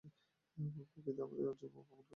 প্রকৃতি আমাদের আজন্ম অপমান করেছে।